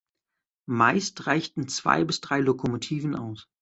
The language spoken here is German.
Meist reichten zwei bis drei Lokomotiven aus.